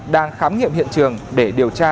đang khám nghiệm hiện trường để điều tra